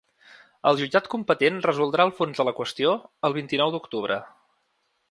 El jutjat competent resoldrà el fons de la qüestió el vint-i-nou d’octubre.